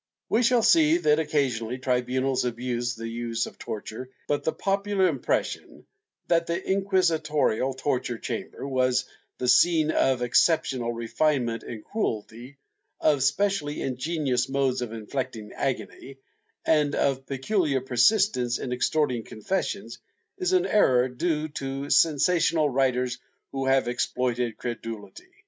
* We shall see that occasionally tribunals abused the use of tor ture, but the popular impression that the inquisitorial torture chamber was the scene of exceptional refinement in cruelty, of specially ingenious modes of inflicting agony, and of peculiar persistence in extorting confessions, is an error due to sensational writers who have exploited creduHty.